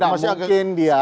tidak mungkin dia